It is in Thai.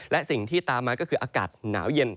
และสิ่งที่ตามมาก็คืออากาศหนาวเย็น